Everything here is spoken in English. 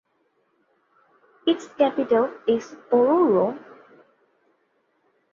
Its capital is Oruro.